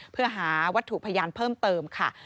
เพื่อหาวัตถุพยานเพิ่มเติมค่ะ